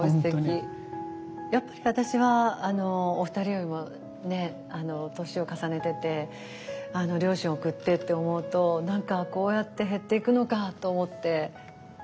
やっぱり私はお二人よりも年を重ねてて両親を送ってって思うと何かこうやって減っていくのかと思って。